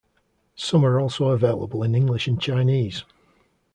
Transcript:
Some are also available in English and Chinese.